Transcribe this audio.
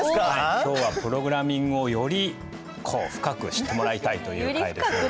今日はプログラミングをよりこう深く知ってもらいたいという回ですので。